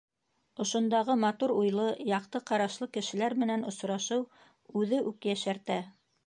Ошондағы матур уйлы, яҡты ҡарашлы кешеләр менән осрашыу үҙе үк йәшәртә.